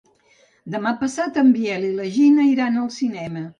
Demà passat en Biel i na Gina iran al cinema.